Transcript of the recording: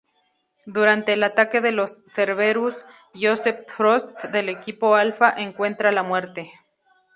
Durante el ataque de los Cerberus, Joseph Frost, del equipo Alfa, encuentra la muerte.